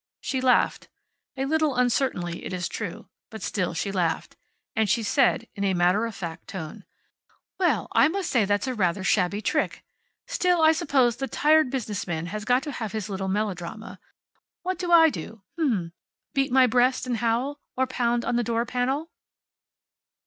She laughed a little uncertainly, it is true but still she laughed. And she said, in a matter of fact tone: "Well, I must say that's a rather shabby trick. Still, I suppose the tired business man has got to have his little melodrama. What do I do? H'm? Beat my breast and howl? Or pound on the door panel?"